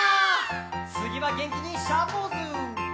つぎはげんきにシャーポーズ！